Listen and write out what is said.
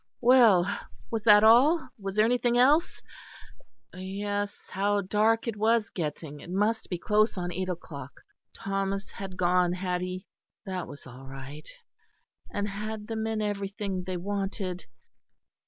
Well, was that all? Was there anything else? Yes, how dark it was getting; it must be close on eight o'clock. Thomas had gone, had he? That was all right. And had the men everything they wanted?